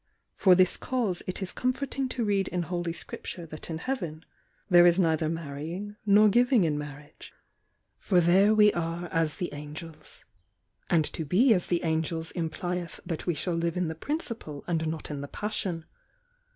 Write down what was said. For this cause it is comforting to read in Holy Scripture that in Heaven there is neither marrying nor giving in marriage, for there we are M the angels. And to be as the angels implyeth that we shall live in the Principle and not m the Passion.